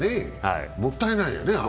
もったいないよね。